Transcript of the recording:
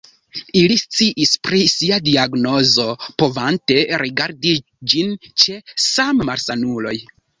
Ili sciis pri sia diagnozo, povante rigardi ĝin ĉe sammalsanuloj.